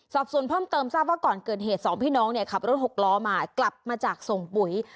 สอบส่วนเพิ่มเติมทราบว่าก่อนเกิดเหตุสองพี่น้องเนี่ยขับรถหกล้อมากลับมาจากส่งปุ๋ย